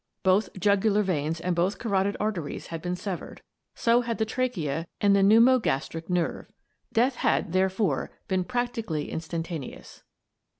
Both jugu lar veins and both carotid arteries had been severed. So had the trachea and the pneumogastric nerve. Death had, therefore, been practically instantane ous.